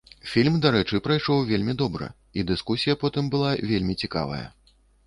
Фільм, дарэчы, прайшоў вельмі добра і дыскусія потым была вельмі цікавая.